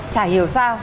chả hiểu sao